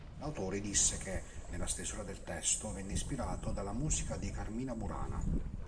L'autore disse che, nella stesura del testo, venne ispirato dalla musica dei Carmina Burana.